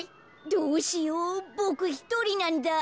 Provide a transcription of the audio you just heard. どうしようボクひとりなんだ。